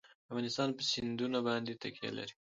افغانستان په سیندونه باندې تکیه لري.